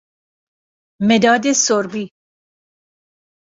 مداد سربی